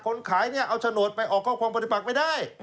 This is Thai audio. คนขายเนี่ยเอาฉโนตไปออกขอบครองประปรากฏไปได้